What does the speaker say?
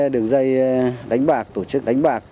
đường dây đánh bạc tổ chức đánh bạc